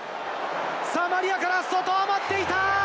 さあ、マリアから外、待っていた。